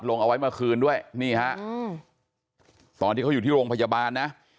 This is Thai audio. ลงเอาไว้เมื่อคืนด้วยนี่ฮะตอนที่เขาอยู่ที่โรงพยาบาลนะ